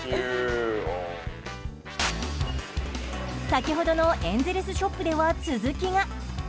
先ほどのエンゼルスショップでは続きが。